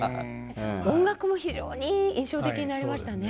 音楽も非常に印象的になりましたね。